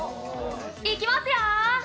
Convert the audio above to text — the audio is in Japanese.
いきますよー！